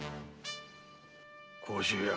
甲州屋。